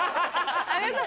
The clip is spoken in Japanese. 有吉さん